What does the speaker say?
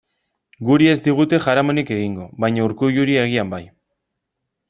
Guri ez digute jaramonik egingo, baina Urkulluri agian bai.